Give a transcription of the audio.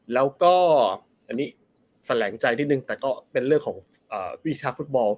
แล้วก็อันนี้แสลงใจนิดนึงแต่ก็เป็นเรื่องของวิชาฟุตบอล